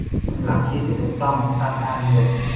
หลักคิดที่ถูกต้องสร้างค่านิยม